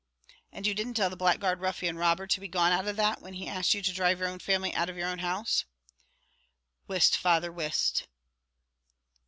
"And you didn't tell the blackguard ruffian robber to be gone out of that, when he asked you to dhrive your own family out of your own house?" "Whist, father, whist!"